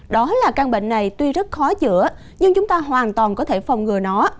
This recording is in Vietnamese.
đó là căn bệnh này tuy rất khó chữa nhưng chúng ta hoàn toàn có thể phòng ngừa nó